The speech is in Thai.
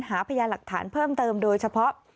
หาพยานหลักฐานเพิ่มเติมโดยเฉพาะ